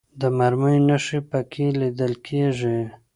د مرمیو نښې په کې لیدل کېږي.